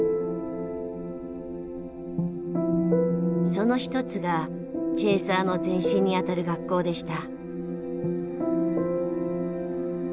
その一つがチェーサーの前身にあたる学校でした。